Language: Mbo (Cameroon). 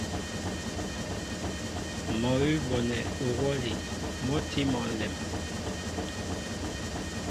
Mɔ́ awʉ́ a bonɛ uhwɔ́li mɔ́ a tí mɔ ǹlɛm.